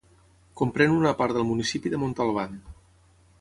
Comprèn una part del municipi de Montalban.